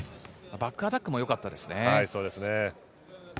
バックアタックもよかったですね。